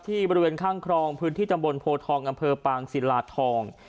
บริเวณข้างครองพื้นที่ตำบลโพทองอำเภอปางศิลาทอง